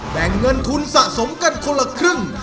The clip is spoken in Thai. แบ่งเงินทุนสะสมกันคนละครึ่ง